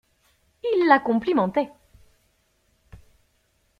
Ils la complimentaient.